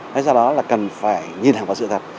thế do đó là cần phải nhìn thẳng vào sự thật